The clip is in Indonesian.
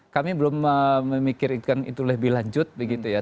kami belum memikirkan itu lebih lanjut begitu ya